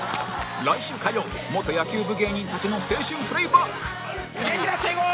来週火曜元野球部芸人たちの青春プレーバック元気出していこう！